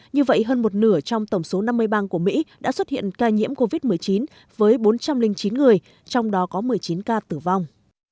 như vậy hơn một nửa trong tổng số năm mươi bang của mỹ đã xuất hiện ca nhiễm covid một mươi chín với bốn trăm linh chín người trong đó có một mươi chín ca tử vong